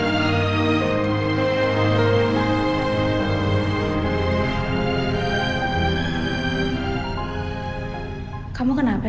nanti nyetirnya besok lagi